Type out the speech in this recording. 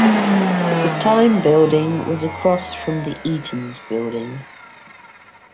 The "Time Building" was across from the Eaton's building.